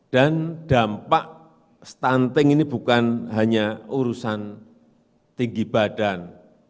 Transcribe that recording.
dan dampak stunting ini bukan hanya urusan tinggi badan